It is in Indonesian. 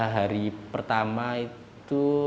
tiga hari pertama itu